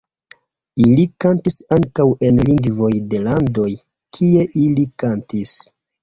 Ili kantis ankaŭ en lingvoj de landoj, kie ili kantis.